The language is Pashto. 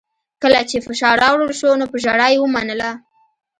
کله چې فشار راوړل شو نو په ژړا یې ومنله